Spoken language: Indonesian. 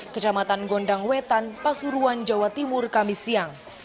kecamatan gondang wetan pasuruan jawa timur kamis siang